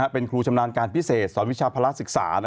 เป็นครูชำนาญการพิเศษ